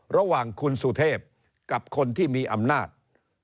ระหว่างคุณสุเทพกับคนที่มีอำนาจ